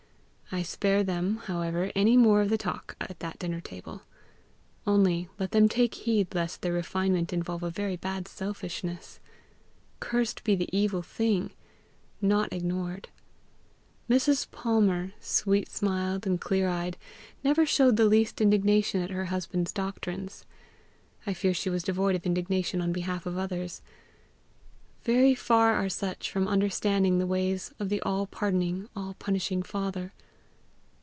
I spare them, however, any more of the talk at that dinner table. Only let them take heed lest their refinement involve a very bad selfishness. Cursed be the evil thing, not ignored! Mrs. Palmer, sweet smiled and clear eyed, never showed the least indignation at her husband's doctrines. I fear she was devoid of indignation on behalf of others. Very far are such from understanding the ways of the all pardoning, all punishing Father!